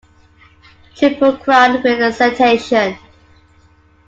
Triple Crown winner Citation.